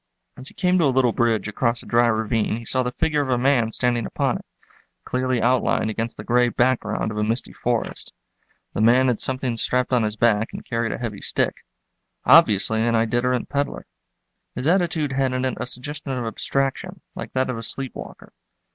As he came to a little bridge across a dry ravine he saw the figure of a man standing upon it, clearly outlined against the gray background of a misty forest. The man had something strapped on his back and carried a heavy stick—obviously an itinerant peddler. His attitude had in it a suggestion of abstraction, like that of a sleepwalker.